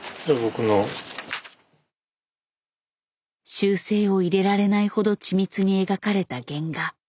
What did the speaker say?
修正を入れられないほど緻密に描かれた原画。